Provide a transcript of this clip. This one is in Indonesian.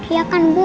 iya kan bu